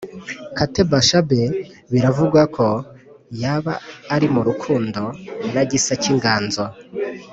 Kate bashabe biravugwa ko yaba ari murukundo na gisa cyinganzo